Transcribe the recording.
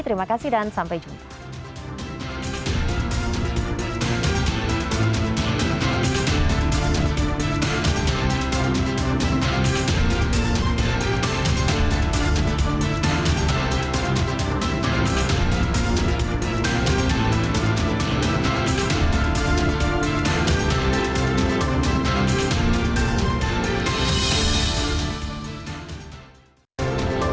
terima kasih dan sampai jumpa